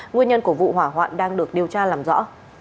nguyên nhân của vụ hỏa hoạn đang được điều tra làm rõ